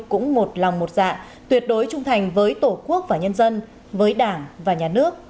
cũng một lòng một dạ tuyệt đối trung thành với tổ quốc và nhân dân với đảng và nhà nước